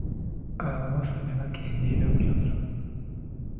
Abafa bakendeera buli lunaku.